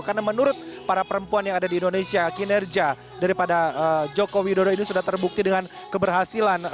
karena menurut para perempuan yang ada di indonesia kinerja daripada jokowi dodo ini sudah terbukti dengan keberhasilan